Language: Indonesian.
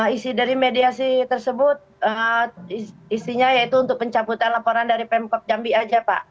isi dari mediasi tersebut isinya yaitu untuk pencaputan laporan dari pemkab jambi saja pak